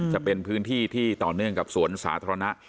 จะเป็นพื้นที่ที่ต่อเนื่องกับสวนสาธารณะ